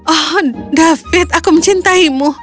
oh david aku mencintaimu